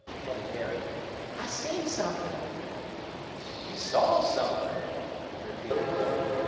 panted Harry. "I I seen something!" "You saw something?" repeated Ned.